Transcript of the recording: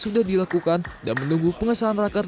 sudah dilakukan dan menunggu pengesahan raker